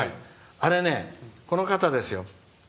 あれはこの方ですよ。